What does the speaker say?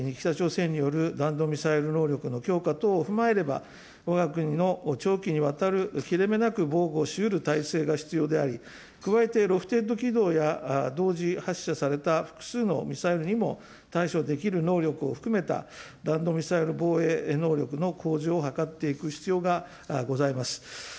特に北朝鮮による弾道ミサイル能力の強化等を踏まえれば、わが国の長期にわたる切れ目なく防護しうるたいせいが必要であり、加えてロフテッド軌道や、同時発射された複数のミサイルにも対処できる能力を含めた弾道ミサイル防衛能力の向上を図っていく必要がございます。